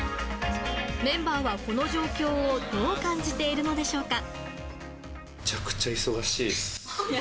メンバーは、この状況をどう感じているのでしょうか。